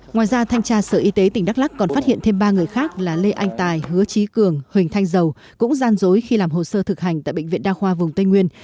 ngoài ra thanh tra sở y tế tỉnh đắk lắc còn phát hiện thêm ba người khác là lê anh tài hứa trí cường huỳnh thanh dầu cũng gian dối khi làm hồ sơ thực hành tại bệnh viện đa khoa vùng tây nguyên